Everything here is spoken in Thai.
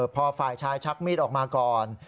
พอฝ่ายชายชักมีดออกมาก่อน